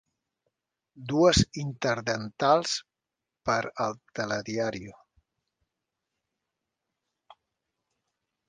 Dues interdentals per al Telediario.